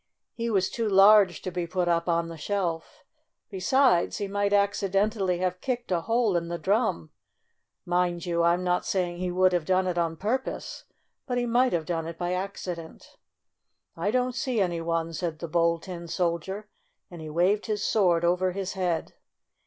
He was too large to be put up on the shelf. Besides, he might accidentally have kicked a hole in the drum. Mind you! I'm not saying he would have done it on purpose, but he might have done it by accident. "I don't see any one," said the Bold Tin Soldier, and he waved his sword over his head.